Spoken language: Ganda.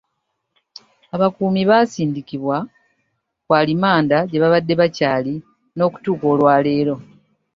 Abakuumi baasindikibwa ku alimanda gye babadde bakyali n'okutuuka olwa leero.